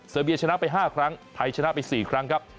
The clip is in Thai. เบียชนะไป๕ครั้งไทยชนะไป๔ครั้งครับ